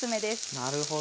なるほど。